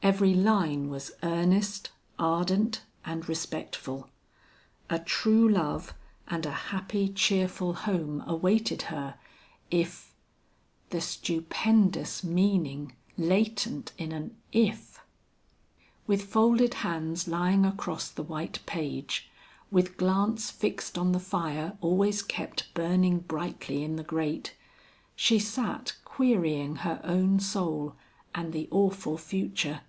Every line was earnest, ardent, and respectful. A true love and a happy cheerful home awaited her if the stupendous meaning latent in an if! With folded hands lying across the white page, with glance fixed on the fire always kept burning brightly in the grate, she sat querying her own soul and the awful future.